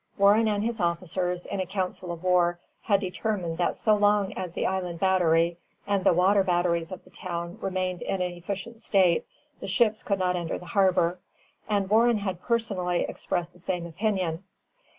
Warren and his officers, in a council of war, had determined that so long as the Island Battery and the water batteries of the town remained in an efficient state, the ships could not enter the harbor; and Warren had personally expressed the same opinion.